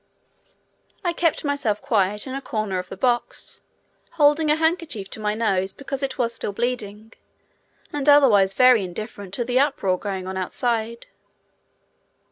I kept myself quiet in a corner of the box, holding a handkerchief to my nose because it was still bleeding, and otherwise very indifferent to the uproar going on outside.